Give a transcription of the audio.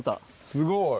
すごい。